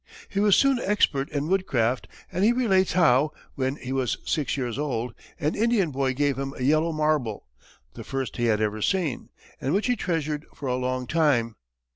He was soon expert in woodcraft, and he relates how, when he was six years old, an Indian boy gave him a yellow marble, the first he had ever seen, and which he treasured for a long time.